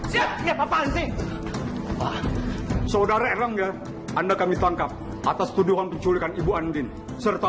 saudara saudara enggak anda kami tangkap atas tuduhan penculikan ibu andin serta